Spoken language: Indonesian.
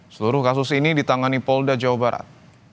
seluruh kasus ini ditangani polda jawa barat